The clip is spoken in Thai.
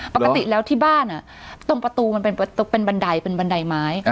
ปกติแล้วที่บ้านตรงประตูมันเป็นบันไดเป็นบันไดไม้